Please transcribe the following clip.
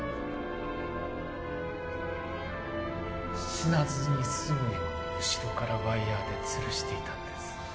死なずに済むように後ろからワイヤーでつるしていたんです